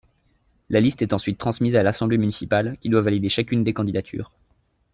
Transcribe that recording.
La liste est ensuite transmise à l'Assemblée municipale, qui doit valider chacune des candidatures.